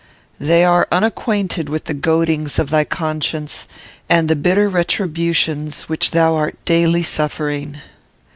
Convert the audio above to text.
They are unacquainted with the goadings of thy conscience and the bitter retributions which thou art daily suffering.